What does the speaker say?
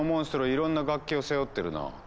いろんな楽器を背負ってるな。